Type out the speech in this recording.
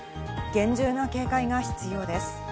厳重な警戒が必要です。